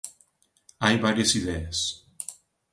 Hai varias ideas.